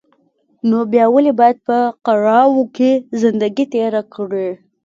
نو بيا ولې بايد په کړاوو کې زندګي تېره کړې.